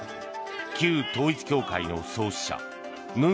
旧統一教会の創始者文